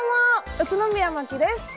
宇都宮まきです。